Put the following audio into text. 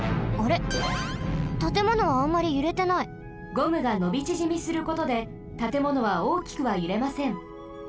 ゴムがのびちぢみすることでたてものはおおきくはゆれません。